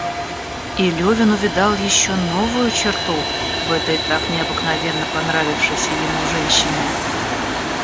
И Левин увидал еще новую черту в этой так необыкновенно понравившейся ему женщине.